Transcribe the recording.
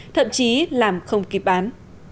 thậm chí làm không kịp bán